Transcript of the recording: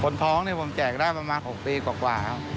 ท้องนี่ผมแจกได้ประมาณ๖ปีกว่าครับ